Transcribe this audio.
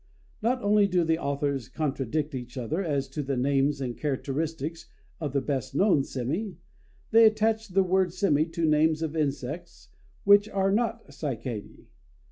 Not only do the authors contradict each other as to the names and characteristics of the best known sémi; they attach the word sémi to names of insects which are not cicadæ.